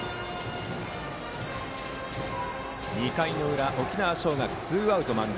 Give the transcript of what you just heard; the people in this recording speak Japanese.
２回の裏、沖縄尚学ツーアウト満塁。